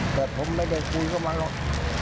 แต่ผมไม่ได้คุยกับมันหรอก